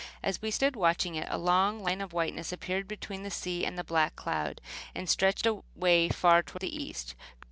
As we stood watching it a long line of whiteness appeared between the sea and the black cloud, and stretched away far toward the east.